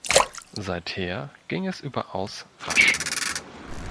Seither ging es überaus rasch.